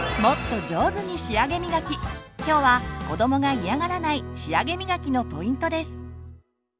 今日は子どもが嫌がらない仕上げみがきのポイントです。